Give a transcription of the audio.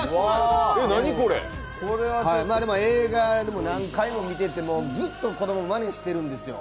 映画も何回も見ててもずっと子供、まねしてるんですよ。